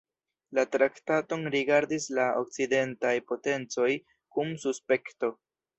La traktaton rigardis la okcidentaj potencoj kun suspekto.